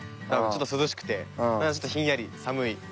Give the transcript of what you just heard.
ちょっと涼しくてちょっとひんやり寒い。